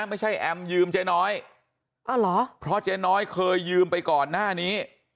ไม่ใช่แอมยืมเจ๊น้อยอ๋อเหรอเพราะเจ๊น้อยเคยยืมไปก่อนหน้านี้